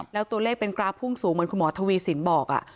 แล้วตัวเลขเป็นกราฟพุ่งสูงเหมือนคุณหมอทวีสินบอก